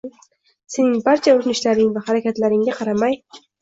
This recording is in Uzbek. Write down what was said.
Sening barcha urinishlaring va harakatlaringga qaramay